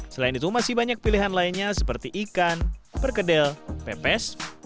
selain itu masih banyak pilihan lainnya seperti ikan perkedel pepes